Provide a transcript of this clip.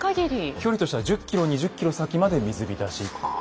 距離としては１０ｋｍ２０ｋｍ先まで水浸し。